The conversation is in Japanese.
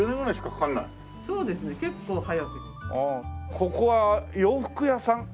ここは洋服屋さん？